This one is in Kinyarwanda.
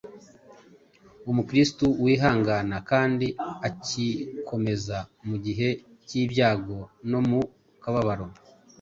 Umukristo wihangana kandi akikomeza mu gihe cy’ibyago no mu kababaro